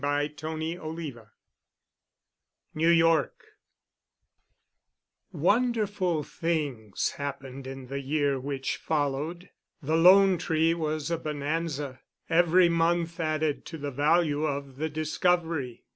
*CHAPTER III* *NEW YORK* Wonderful things happened in the year which followed. The "Lone Tree" was a bonanza. Every month added to the value of the discovery.